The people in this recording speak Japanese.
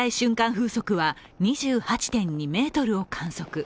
風速は２８．２メートルを観測。